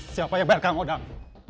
siapa yang bayarkan uang dalam